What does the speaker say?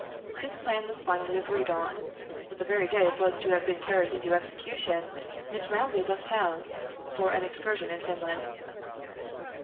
This plan was finally agreed on; but the very day it was to have been carried into execution, Miss Rowley left town for an excursion in Finland.